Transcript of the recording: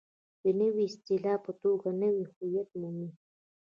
د نوې اصطلاح په توګه نوی هویت مومي.